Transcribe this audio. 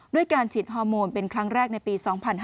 ด้วยการฉีดฮอร์โมนเป็นครั้งแรกในปี๒๕๕๙